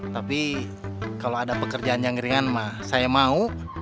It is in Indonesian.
tapi kalau ada pekerjaan yang ringan saya mau